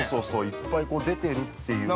いっぱい出てるっていうのが。